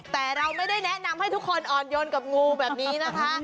แต่เราไม่ได้แนะนำให้ทุกคนอ่อนโยนกับงูแบบนี้นะคะ